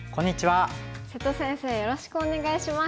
瀬戸先生よろしくお願いします。